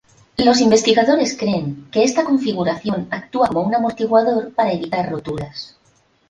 Los investigadores creen que esta configuración actúa como un amortiguador para evitar roturas.